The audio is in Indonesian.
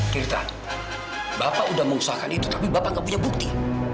kita bapak sudah mengusahakan itu tapi bapak nggak punya bukti